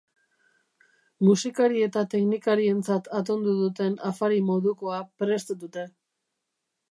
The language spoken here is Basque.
Musikari eta teknikarientzat atondu duten afari modukoa prest dute.